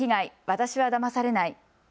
私はだまされない。